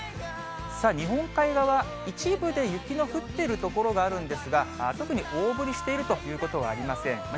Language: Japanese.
さあ、日本海側、一部で雪の降っている所があるんですが、特に大降りしているということはありません。